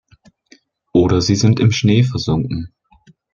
Oder sie sind im Schnee versunken.